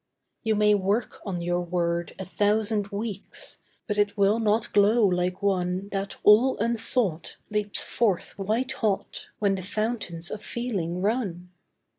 You may work on your word a thousand weeks, But it will not glow like one That all unsought, leaps forth white hot, When the fountains of feeling run.